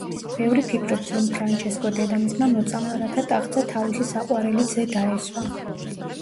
ბევრი ფიქრობს, რომ ფრანჩესკო დედამისმა მოწამლა, რათა ტახტზე თავისი საყვარელი ძე დაესვა.